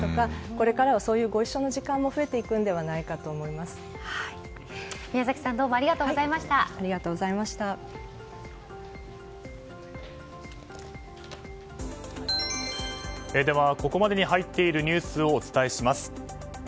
これからは、ご一緒の時間も増えていくのではないかと宮崎さんではここまでに入っているニュースをお伝えします。